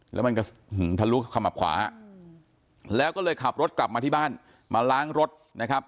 แล้วมันก็ทะลุขมับขวาแล้วก็เลยขับรถกลับมาที่บ้านมาล้างรถนะครับ